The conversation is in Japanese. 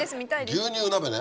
牛乳鍋ね。